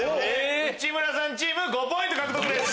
内村さんチーム５ポイント獲得です。